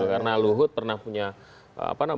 karena luhut pernah punya komunikasi dengan luhut